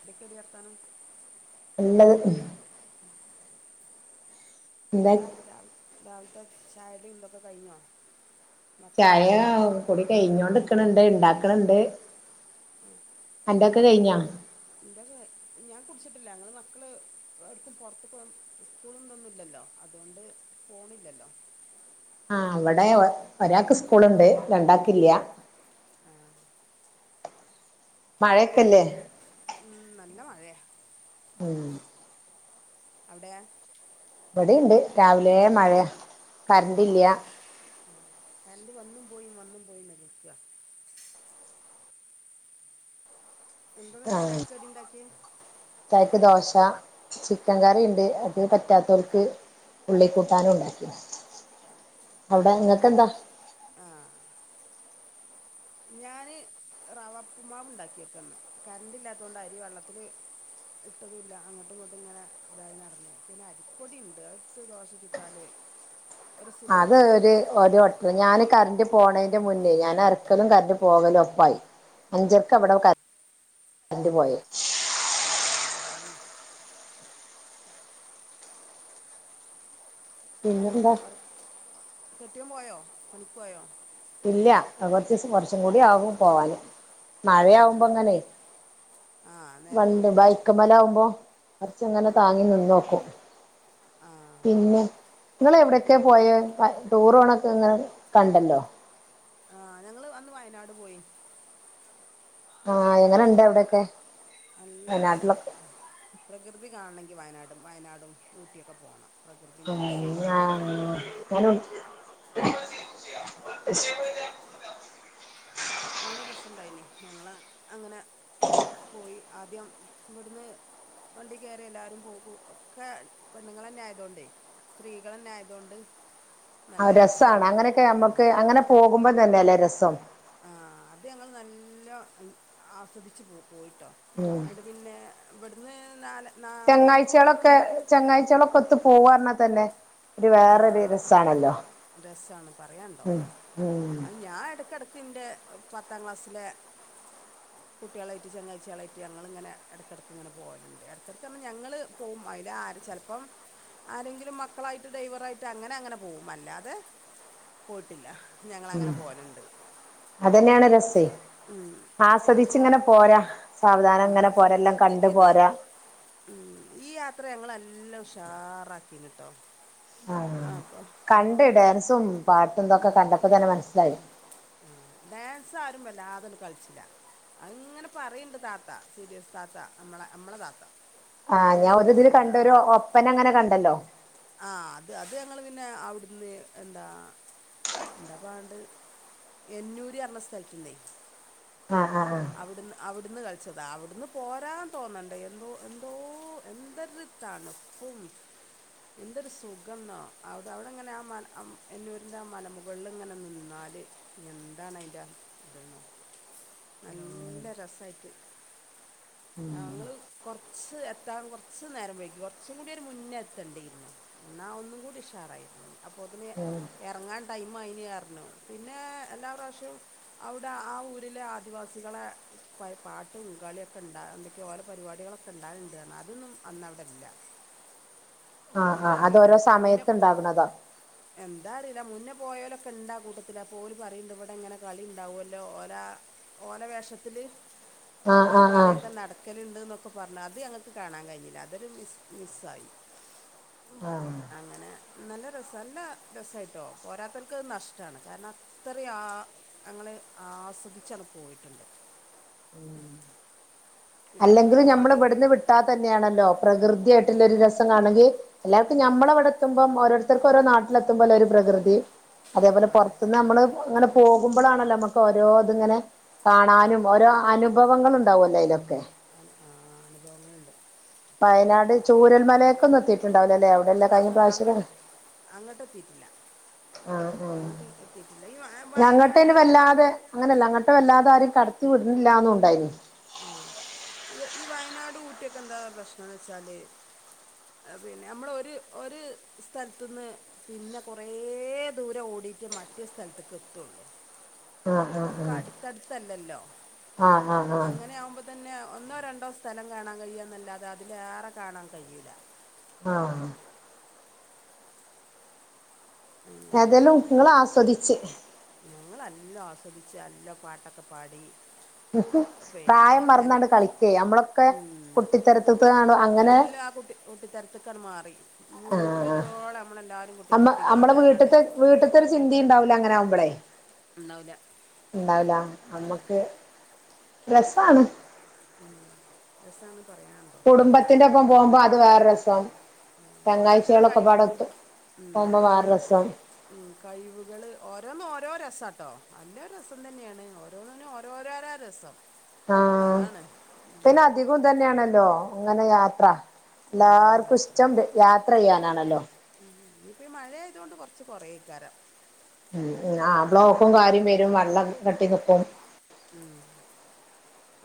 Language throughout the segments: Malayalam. എന്തൊക്കേടി വർത്താനം നല്ലത് എന്താ രാവിലത്തെ ചായുടി ഇതൊക്കെ കയിഞ്ഞോ ചായ കുടി കയിഞ്ഞോണ്ട് ഇക്കണണ്ട് ഇണ്ടാക്കണണ്ട് [inaudible] ഇതൊക്കെ കയിഞ്ഞാ ഇന്റത് ഞാൻ കുടിച്ചിട്ടില്ല ഞങ്ങള് മക്കള് പൊറത്ത്ക്ക് സ്കൂളതൊന്നുല്ലല്ലോ ല്ലോ അതുകൊണ്ട് പോണില്ലല്ലോ [inaudible] ആഹ് ഇവടെ ഒരാക്ക് സ്കൂള്ണ്ട് ആ രണ്ടാക്കില്ല ആ മഴ ഉം നല്ല മഴയാ ഉം അവിടെ ഇവിടേണ്ട് രാവിലെ മഴയാ കരണ്ടില്ല കറണ്ട് വന്നും [unintelligible] എന്തന്നിട്ട് ആഹ് ചായക്ക് കടിണ്ടാക്കിയേ പ ചിക്കൻ കറീണ്ട് അത് പറ്റാത്തോർക്ക് ഉള്ളി കൂട്ടാനും ഉണ്ടാക്കി അവടെ ഇങ്ങക്ക് എന്താ ഞാന് റവ ഉപ്പുമാവ് ഉണ്ടാക്കിക്കേന്ന് കറണ്ട് ഇല്ലാത്തോണ്ട് അരി വെള്ളത്തില് ഇട്ടതൂല അങ്ങട്ടും ഇങ്ങട്ടും ഇങ്ങനെ ഇതായി നടന്നു പിന്നെ അരിപ്പൊടി ഇണ്ട് അത് ഇട്ട് ദോശ ചുട്ടാല് അത് ഒരു ഒരു വട്ടം ഞാന് കറണ്ട് ആ പോണേന്റെ മുന്നേ ഞാൻ അരക്കലും കറണ്ട് പോകലും ഒപ്പായി ആ അഞ്ചർക്ക് ഇവടെ കറ കറന്റ് പോയേ ആഹ് അങ്ങനെ പിന്നെ പിന്നെന്താ വർ കെട്ടിയവൻ പോയോ പണിക്ക് പോയോ ഇല്ല കുറച്ചു ദിവസം കൂടി ആവും പോവാൻ ആ മഴയാകുമ്പോ അങ്ങനെ ആ നേരം വൈകൂലേ മഴ ആകുമ്പോൾ ഇങ്ങനെ ആ ആ പിന്നെ നിങ്ങൾ എവിടെയൊക്കെയാ ഇ- പോയത്. ടൂറിന് നിങ്ങളെ കണ്ടല്ലോ ആഞങ്ങള് അന്ന് വയനാട് പോയി ആഎങ്ങനെയുണ്ട് അവിടെയൊക്കെ നല്ല രസം വയനാട്ടിലൊക്കെ പ്രകൃതി കാണണമെങ്കിൽ വയനാടും ഊട്ടിയൊക്കെ പോകണം ഉ പ്രകൃതിൻ്റെ രസം ഞാന കാണണമെങ്കിൽ [unintelligible] [unintelligible] നല്ല രസമുണ്ടായിരുന്നു. ഞങ്ങൾ അങ്ങനെ പോയി ആദ്യം ഇവിടുന്ന് വണ്ടി കയറി എല്ലാരും പോയി. എല്ലാം പെണ്ണുങ്ങൾ തന്നെ പോയത് കൊണ്ട് സ്ത്രീകൾ തന്നെ ആയതുകൊണ്ട് ആ നല്ല രസമാണ് രസമായിട്ട് പോയി അങ്ങനെയൊക്കെ ആ നമ്മുക്ക് അങ്ങനെ പോകുമ്പോ തന്നെയല്ലേ രസം ആ അത് ഞങ്ങൾ നല്ലവണ്ണം ആസ്വദിച്ചു പോവും പോയിട്ടോ ഉം എന്നിട്ട് പിന്നെ ഇവിടുന്ന് നാല് നാല് മണിക്ക് ചങ്ങാതിമാരൊക്കെ പുറപ്പെടുന്നു ഒത്ത് പോവുക എന്ന് പറഞ്ഞാൽ തന്നെ ഇത് വേറൊരു രസമാണല്ലോ അത്‌ രസമാണ് പറയാനുണ്ടോ അത് ഞാൻ അതിന്റെ ഇടക്ക് എന്റെ പത്താംക്ലാസ്സിന്റെ കുട്ടികളുമായിട്ട്, ചങ്ങാതിമാരുമായിട് ഞങ്ങൾ ഇങ്ങനെ ഇടക്കിടക്ക്ഇങ്ങനെ പോവാറുണ്ട്. ഇടക്കിടക് എന്ന് പറഞ്ഞാൽ ഞങ്ങൾപോകും അതിൽ ആ ചിലപ്പോൾ ആരെങ്കിലും മക്കളായിട്ട് ഡ്രൈവറായിട്ട് അങ്ങനെ അങ്ങനെ പോകും. അല്ല ഏ, പോയിട്ടില്ല ഞങ്ങൾ അങ്ങനെ പോവാറുണ്ട്. അത് തന്നെയാണ് രസം ആസ്വദിച്ച് ഇങ്ങനെ പോരാ സാവധാനം ആ ഇങ്ങനെ പോരാ എല്ലാം ഇത് കണ്ട് ഇത് പോരാ ഉം ഈ യാത്ര ഞങ്ങ നല്ല ഉഷാറാക്കിയിട്ടുണ്ട് ട്ടോ ആ കണ്ട് ഡാൻസും പാട്ടും ഇതൊക്കെ കണ്ടപ്പോൾ തന്നെ മനസ്സിലായി ഉം ഡാൻസ് ആരും അല്ലാതൊന്നും കളിച്ചില്ല അങ്ങനെ പറയുന്നുണ്ട്, താത്ത, സീരിയസ് താത്ത. നമ്മുടെ നമ്മുടെ താത്ത നമ്മളെ താത്ത. ആഹ് ഞാൻ ഒരു ഇതില് കണ്ടു ഒരു ഒപ്പന അങ്ങനെ കണ്ടല്ലോ ആഹ അത് അത് ഞങ്ങൾ പിന്നെ അവിടുന്ന് എന്താ ഉണ്ട അപ്പ അണ്ട് എഞ്ഞൂര് അറണ സ്ഥലത്തുന്നേ [unintelligible] ആ ആ ആ [unintelligible] അവിടുന്ന് അവിടുന്ന് കള വച്ചതാ അവിടുന്ന് പോരാൻ തോന്നണ്ടേ എന്തോ ഒരു തണുപ്പ് എന്തൊരു സുഖം ആണെന്നോ, അവിടെ, അങ്ങനെ ആ മലയന്നൂരിന്റെ ആ മുകളിൽ ഇങ്ങനെ നിന്നാ ആല് എന്താണ അതി്റെ ഇതന്ന നല്ല രസമായിട്ട് [unintelligible] [unintelligible] ഉം ഞങ്ങള്ൾ കൊറച്ച് എത്താൻ ഞങ്ങൾ എത്താൻ കുറച്ച് നേരം വൈകി. കുറച്ച് കൂടി മുൻപ് എത്തേണ്ടിയിരുന്നു. എന്നാൽ ഒന്നും കൂടി ഉഷാറാവുമായിരുന്നു. അപ്പോഴേക്കും ഉം ഇറങ്ങാൻ ടൈം ആയി എന്ന് പറഞ്ഞു. പിന്നേ എല്ലാ പ്രാവശ്യവും അവിടെ ആ ഊരിലെ ആദിവാസികളെ പാ അവരുടെ കളിയും പരിപാടികളൊക്കെ ഉണ്ടാവാറു ണ്ടായിരുന്നു. അതൊന്നും അന്നവിടെയില്ല. ആഹ ആഹ അത്‌ ഓരോ സമയത്ത് ഉണ്ടാകണതാണ് അതറിയില്ല, മുൻപ് പോയവരൊക്കെ ഉണ്ട് ആ കൂട്ടത്തില്. അപ്പോൾ പറയുന്നുണ്ട്, ഇവിടെ ഇങ്ങനെ കളിയുണ്ടാകുമല്ലോ ഓല അവരുടെ വേഷത്തിൽ ആ കളികളൊക്കെ നടക്കുന്നുണ്ടെന്നു ഒക്കെ അതൊക്കെ പറഞ്ഞു, അത് ഞങ്ങൾക് കാണാൻ കഴിഞ്ഞില്ല. അതൊരു മിസ്സായി ആഹ് അങ്ങനെ നല്ല രസ നല്ല രസമായിട്ടോ പോരാത്തവർക്ക്ത് നഷ്ടമാണ് കാരണം അത്ര ആ ആസ്വദിച്ചാണ് പോയിട്ടുണ്ട് ഉം പിന്നെ അല്ലെങ്കിൽ നമ്മ കുർവാദി ഇവിടുന്ന് വിട്ടാ തന്നെയണല്ലോ പ്രകൃതിയായിട്ടുള്ള ഒരു രസം ആണെങ്കിൽ എല്ലാവർക്കും നമ്മള അവിടെ എത്തുമ്പം ഓരോരുത്തർക്ക് ഓരോ നാട്ടിലെത്തുമ്പോല്ല ഒരു പ്രകൃതി അതേപോലെ ആ പുറത്തുന്ന് നമ്മള് ഇങ്ങോട് പോകുമ്പോഴാണല്ലോ നമുക്ക് ഓരോ ഇതിങ്ങനെ കാണാനും ഓരോ അനുഭവങ്ങൾ ഉണ്ടാവുമല്ലോ അതിലൊക്കെ അ ആ അനുഭവങ്ങുണ്ട് വയനാട് ചൂരൽമലയൊക്കെ ഒന്നും എത്തിയിട്ടുണ്ടാവില്ല അങ്ങട്ട് അങ്ങട്ട് എത്തിട്ടില്ല ആ ആ അങ്ങട്ട് വയനാട് അന് അറിയ വല്ലാതെ അങ്ങനെയല്ല അങ്ങട്ട് വല്ലാതെ ആരും കട വിടില്ലാന്നു ആ ഈ വയനാട് ഊട്ടിയൊക്കെ എന്താ പ്രശ്നന്ന് വെച്ചാല് പിന്നെ നമ്മൾ ഒര് ഒരു സ്ഥലത്തു നിന്ന് പിന്നെ കൊറേ ദൂരം ഓ ഡിറ്റ് മറ്റേ സ്ഥലത്തേക്ക് എത്തുള്ളൂ ഒക്കെ അടുത്തടുത്തല്ലല്ലോ ആ അങ്ങനെ ആകുമ്പോൾ തന്നെ ഒന്നോ രണ്ടോ സ്ഥലം കാണാൻ കഴിയുക എന്നല്ലാതെ അതിലേറെ കാണാൻ കഴിയില്ല ആ അങ്ങനെ ഏതെലും ഉപ്പുള ആസ്വദിച്ച് ഞങ്ങളെല്ലാം ആസ്വദിച്ച് എല്ലാം പാട്ടൊക്കെ പാടി പിന്നെ പ്രായം മറന്നാണ്ട് എൽ- കളിക്കേ നമ്മളൊക്കെ ഉം. കുട്ടിത്തരത്ത് കാണ അങ്ങനെ കുട്ടിത്തരത്തുക്ക മാറി വീട്ടിലെത്തോള നമ്മ നമ്മ നമ്മളെ വീട്ടത്തെ വീട്ടത്തെ ഒരു ചിന്തി ഉണ്ടാവൂല അങ്ങനെ ആകുമ്പോളെ ഉണ്ടാവില്ല ഉണ്ടാവല നമ്മക്ക് രസാണ് ഉം രസാണ് പറയാൻ കുടുംബത്തിന്റെ ഒപ്പം പോകുമ്പോ അത് വേറെ രസം ഓരോരുത്തരുടെ തെങ്ങാഴ്ചാളെ ഒക്കെ കഴിവ് പാടെ എത്തും ഉം കഴ് ഉം കഴിവുകള് ഓരോന്ന് ഓരോര രസാട്ടോ എല്ലാം രസം തന്നെയാണ് ഓരോന്നിനും ഓരോരോര രസം ആ അതാണ് പിന്നെ അധികം തന്നെയാണല്ലോ അങ്ങനെ യാത്ര ആ, എല്ലാർക്കും യാത്ര ഇഷ്ടം യാത്ര ചെയ്യാനാണല്ലോ ഇനിയിപ്പ മഴ ആയത് കൊണ്ട് കൊറച്ച് കൊറേക്കാരം ഉം ആ ബ്ലോക്കും കാര്യം വരും വെള്ളം കെട്ടി നിക്കും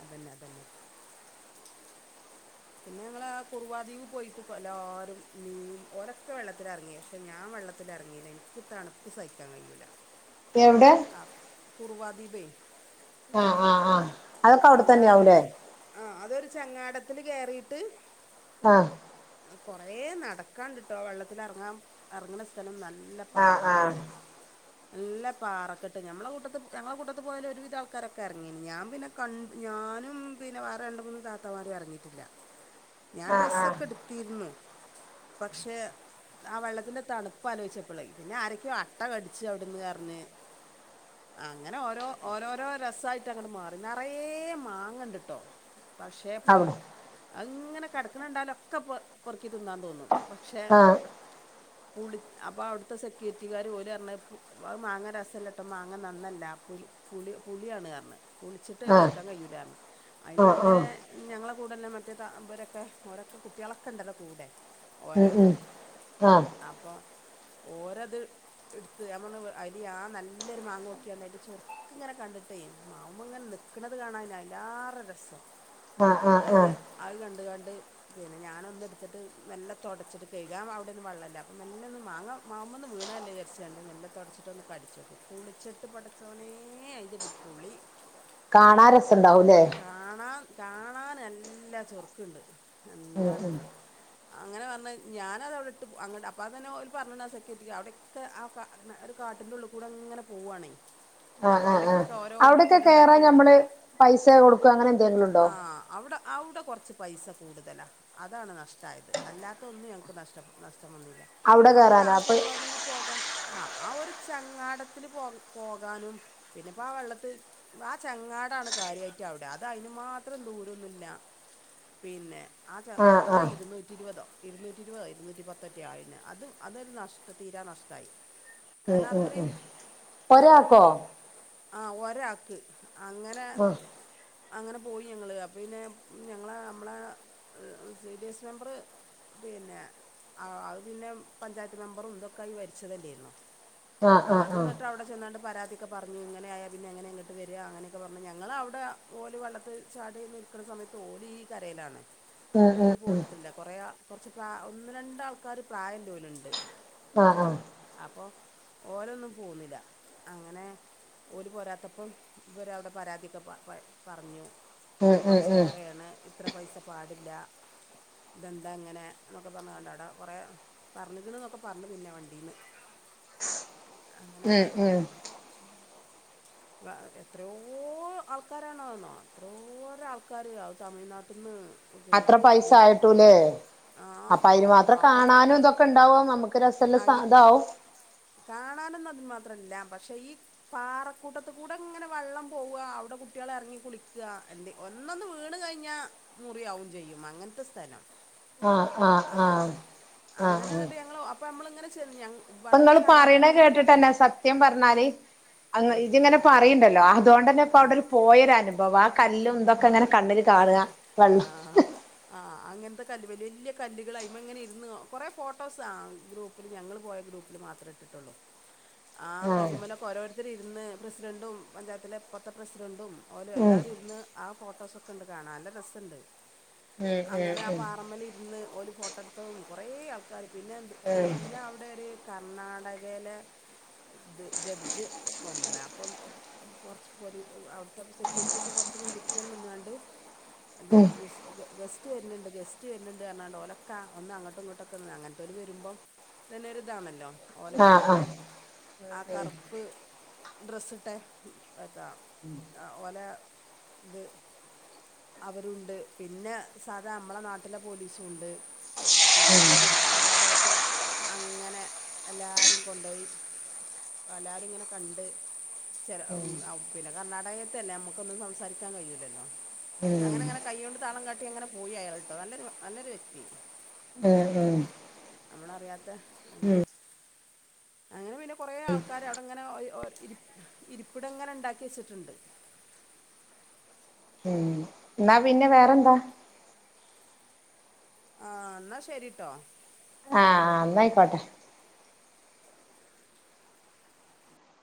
അതന്നെ അതന്നെ പിന്നെ ഞങ്ങളാ കുറുവാദ്വീപ് പോയിട്ട്ല്ലാരും നീൻ ഓരൊക്കെ വെള്ളത്തിൽ ഇറങ്ങി പക്ഷെ ഞാൻ വെള്ളത്തിലറങ്ങില്ല എനിക്ക് തണുപ്പ് സഹിക്കാൻ കഴിയൂല എവിടെ ആ കുറുവാ ദ്വീപേ ആ ആഹ് ആ അവിടെ ആ അതൊരു ചങ്ങാടത്തി കേയറിയിട്ട് ആ കുറേ നടക്കാണ്ടിട്ടോ വെള്ളത്തിറങ്ങാൻ ഇറങ്ങണ സ്ഥലം നല്ല ല്ല ആഹ് പാറക്കിട്ട് നല്ല പാറക്കെട്ട് ഞമ്മുടെ കൂട്ടത്ത് ഞങ്ങളുടെ കൂട്ടത്ത് പോയൽ ഒരുവിധ ആൾക്കാരൊക്കെ ഇറങ്ങയിരുന്നു ഞാൻ പിന്നെ ക ഞാനും പിന്നെ വേറെ രണ്ട് മൂന്ന് താത്തമാരും ഇറങ്ങിട്ടില്ല ഞാൻ ആഹ് ആഹ് ആഹ് ഡ്രെസ്സൊക്കെ എടുത്തിരുന്നു പക്ഷെ ആ വെള്ളത്തിന്റെ തണുപ്പ് ആലോചിച്ചപ്പളേ പിന്നെ ആരൊക്കെയോ അട്ട കടിച്ചു അവിടുന്ന് പറഞ്ഞ് അങ്ങനെ ഓരോ ഓരോരോ രസായിട്ട് അങ്ങനെ മാ നിറയെ മാങ്ങണ്ടിട്ടോ പക്ഷെ അവിടെ അങ്ങനെ കിടക്കണണ്ടാലൊക്കെ പ പൊറുക്കി തിന്നാൻ തോന്നും പക്ഷേ ആഹ് ആഹ് പുളി അപ്പോൾ അവിടുത്തെ സെക്യൂരിറ്റിക്കാർ ഓല് പറഞ്ഞ് അ മാങ്ങ രസമല്ലട്ടോ മാങ്ങ നന്നല്ല ആപ്പല പുളി പുളിയാണ് പറഞ്ഞ് പുളിച്ചിട്ട് കഴിക്കാൻ കഴിയൂലറഞ്ഞ് അതില് ആഹ് ഇങ്ങനെ ആഹ് ഞങ്ങള് കൂടെല്ലേ മറ്റ അവരൊക്കെ ഓരൊക്കെ കുട്ടികളക്കെ ഉണ്ടല്ലോ കൂടെ. ഓര ഉം ഉം ആഹ് അപ്പൊ ഓരത് എടുത്ത് നമ്മന്ന് അയിലി ആ നല്ലൊരു മാങ്ങ നോക്കിയ അതിന്റെ ചൊറുക്ക ഇങ്ങനെ കണ്ടിട്ടേ മാവിൻമേൽ ഇങ്ങനെ നിൽക്കുന്നത് കാണൻ അതിലേറെ രസം ആഹ് ആഹ് അതില് ആഹ് അത് കണ്ട് ക ണ്ട്. പിന്നെ ഞാനൊന്ന് എടുത്തിട്ട് മെല്ലേ തൊടച്ചിട്ട് കഴുകാൻ അവിടെങ്ങും വെള്ളവില്ല. മെല്ല ഒന്ന് മാങ്ങാ ന്ന് മേല് വീണ അല്ലേന്ന് വിചാരിച്ച് കണ്ട് മെല്ലെ തുടച്ചിട്ടൊന്ന് കടിച്ച് നോക്കി. പുളിച്ചിട്ട് പടച്ചവനേ അതിന്റെ ഒരു ഇത് പുളി കാണാൻ രസ കാണൻ കാണൻ നല്ലാ ചുറുക്കുണ്ട് ഉം എന്താണ്? ഉം അങ്ങനെ പറഞ്ഞാൽ ഞാനത് അവിടെ ഇട്ട് അങ്ങട്ട് അപ്പ അത് തന്നെ പറഞ്ഞി സെക്യൂരിറ്റി അവിടെക്കെ ആ കാട്ടിന്റെ ഉള്ളികൂടെ ഇങ്ങനെ പോകുവാണേ? അവിടെയൊക്കെ കയറാൻ ഉണ്ടാക്കിയാണ്ട് ഞമ്മള് പൈസ കൊടുക്കുകയോ അങ്ങനെ എന്തെങ്കിലും ഉണ്ടോ? ആ അവിടെ കുറച്ച് പൈസ കൂടുതലാണ്. അതാണ് നഷ്ടമായത് അല്ലാത്ത ഒന്നും ഞങ്ങൾക്ക് നഷ്ട നഷ്ട- - മൊന്നില്ല. അവിടെ കേറാനോ ആ അപ്പൊ കുർബാദ്വീപ് പോകാൻ ആ ആ ഒരു ചങ്ങാടത്തിൽ പോ പോകാനും പിന്നെപ്പോ ആ വെള്ളത്തിൽ ആ ചങ്ങാട ടാണ് കാര്യമായിട്ട് അവിടെ അത് അതിന് മാത്രം ദൂരൊന്നുമില്ല പിന്നെ ആ ആഹ് അവിടെ ആഹ് ഇരുന്നൂറ്റിഇരുപതോ ഇരുന്നൂറ്റി ഇരുപത് ഇരുന്നൂറ്റി പത്തെറ്റ ആയിന്. അതും അതൊരു നഷ്ട തീരാ നഷ്ടമായി. ഉം കാരണം ഉം അത്രയും ഉം അപ്പം ഒരാക്കോ? ആ ഒരാക്ക്. അങ്ങനെ ആഹ് അങ്ങനെ പോയി ഞങ്ങള് അപ്പ പിന്നെ ഞങ്ങളെ നമ്മളെ സി. ഡി. എസ് മെമ്പറ് പിന്നെ ആ അത് പിന്നെ പഞ്ചായത്ത് മെമ്പറും ഇതൊക്കെ ആയി ഭരിച്ചതല്ലേരുന്നോ? ആഹ് ആ ആഹ് അത് ആഹ് എന്നിട്ട് അവിടെ ചെന്നാണ്ട് പരാതി ഒക്കെ പറഞ്ഞു ഇങ്ങനെയായാൽ പിന്നെങ്ങനെ ഇങ്ങോട്ട് വരിക അങ്ങനൊക്കെ പറഞ്ഞു ഞങ്ങളവിടെ ഓല് വെള്ളത്തില് ചാടി നിൽക്കുന്ന സമയത്ത് ഓല് ഈ കരയിലാണ്. ഉം ഉം ഓര് പോന്നിട്ടില്ല. കൊറെ കുറച്ച് പ്ര ഒന്ന് രണ്ട് ആൾക്കാര് പ്രായം ഉള്ളോലുണ്ട്. ആ ആ ഓരൊന്നും പോന്നില്ല. അങ്ങനെ ഓര് പോരാത്തപ്പം ഇവരവിടെ പരാതിയൊക്കെ പറഞ്ഞു. ഉം ഇത് ഉം കുറച്ച് ഉം ഏറെയാണ്. ഇത്ര പൈസ പാടില്ല. ദെന്താ ഇങ്ങനെ എന്നൊക്കെ പറഞ്ഞു കണ്ട് അവിട കുറെേ പറഞ്ഞികണ്എന്നൊക്കെ പറഞ്ഞു പിന്നെ വണ്ടീന്ന്. ഉം ഉം എത്രയോ ആൾക്കാരണന്നോ എത്രയോര ആൾക്കാര് അത് തമിഴ്നാട്ടിന്ന് അത്ര പൈസ ആയിട്ടുല്ലേ? ആ അപ്പൊ അതിന് ഔ മാത്രം അപ്പം കാണാനും ഇതൊക്കെ ഇണ്ടാവോ? നമുക്ക് രസ മെല്ലാം ഇതാവവും. കാണാനൊന്നുഅതിനുമാത്രമില്ല. പക്ഷെ ഈ പാറക്കൂട്ടത്ത് കൂടെ ഇങ്ങനെ വെള്ളം പോവാ. അവിടെ കുട്ടികളെ ഇറങ്ങി കുളിക്കുക. എ ഒന്നൊന്ന് വീണ് കഴിഞ്ഞാൽ മുറിയാവുക ചെയ്യും. യ്യും അങ്ങനത്തെ സ്ഥലം. ആഹ് ആഹ് ആഹ് അങ്ങനെ ആഹ് അങ്ങനെ എന്നിട്ട് ഞങ്ങ അപ്പൊ നമ്മൾ ഇങ്ങനെ അപ്പ നിങ്ങള് പറയണ കേട്ടിട്ട് തന്നെ സത്യം പറഞ്ഞാല് ഇതിങ്ങനെ പറയണ്ടല്ലോ അതുകൊണ്ട് തന്നെപ്പൊ അവിടെ ഒരു പോയൊരു അനുഭവാ. ആ കല്ലും ഇന്തൊക്കെ അങ്ങനെ ആ ആ അങ്ങനെ ത്തെ കല്ലുമേല് വലിയ കല്ലുകൾ അതിൻ മേല് ഇങ്ങനെ ഇരുന്ന് കുറെ ഫോട്ടോസ് ആ ഗ്രൂപ്പിൽ ഞങ്ങൾ പോയ ഗ്രൂപ്പിൽ മാത്രം ഇ [inaudible] [inaudible] ആ ആഹ് കല്ലുമേലൊക്കെ ഓരോരു ഇതി ഇരുന്ന് പ്രസിഡന്റും പഞ്ചായത്തിലെ ഇപ്പഴത്തെ പ്രസിഡന്റും ഓലും ഉം എല്ലാവരും ഇരുന്ന് ആ ഫോട്ടോസ് ഒക്കെ ണ്ട്. കാണാൻ നല്ല രസുണ്ട് ഉം അങ്ങനെ ആ ഉം ഉം പാറമലയിൽ ഇരുന്ന് ഓല ഫോട്ടോ എടുത്തും കുറേ ആൾക്കാർ പിന്നെ എ പിന്നെ അവിടെ ഒരു കർണാടകയിലെ ഇത് ജഡ്ജ് വന്നണ അപ്പം കുറച്ച് പോല അവിടുത്തെപ്പ സെക്യൂരിറ്റിയൊക്കെ പ മുന്നിക്ക്ങ്ങനെ നിന്നാണ്ട് [inaudible] ഗസ്റ്റ് വരുന്നുണ്ട് ഗസ്റ്റ് വരുന്നുണ്ട് പറഞ്ഞാണ്ട് ഒലക്കാ ഒന്ന് അങ്ങോട്ടും ഇങ്ങോട്ടൊക്കെന്ന് അങ്ങനത്തെ ല് വരുമ്പോ ഒരു അ പതന്നെതാണല്ലോ ഓലപ്പ ആഹ് തന്നെ ആഹ് ആ കറുപ്പ് ഡ്രസ്സ് ഇട്ടെ റ്റാ ഓലെ ഇത് അവരുണ്ട് പിന്നെ സാധാ നമ്മളെ നാട്ടിലെ പോലീസുംഉ ണ്ട് പിന്നെ വെരും ഒക്കെപ്പാടായിട്ട് അങ്ങനെ എല്ലാരെ കൊണ്ടുപോയി അപ്പൊ എ ലരും ഇങ്ങനെ കണ്ട് ച ല പിന്നെ കർണാടകയത്തല്ലേ നമ്മുക്കൊന്നും സംസാരിക്കാൻ കഴിയൂലല്ലോ ഉം അങ്ങനെ അങ്ങനെ കൈകൊ ണ്ട് താളം കാട്ടി അങ്ങനെ പോയി അയാള് ട്ടോ നല്ലൊരു നല്ലൊരു വ്യക്തി ഉം ഉം നമ്മളറിയാത്ത അങ്ങനെ അങ്ങനെ പിന്നെ കൊറ ആൾക്കാര് അവിടെങ്ങനെ ഇരിപ്പിട ഇ ങ്ങനെ ഉണ്ടാക്കി വെച്ചിട്ടുണ്ട് ഉം എന്നാ പിന്നെ വേറെന്താ ആഹ എന്നാ ശരിട്ടോ ആഹ്എന്നയിക്കോട്ടെ